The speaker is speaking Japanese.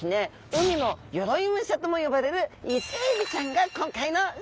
海の鎧武者とも呼ばれるイセエビちゃんが今回のテーマなんですよ！